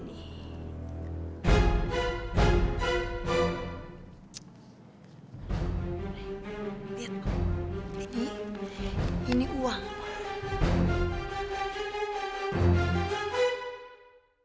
nih liat ini uang pak